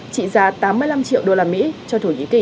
trị giá tám mươi năm triệu đô la mỹ